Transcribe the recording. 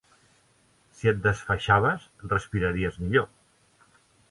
Si et desfaixaves, respiraries millor.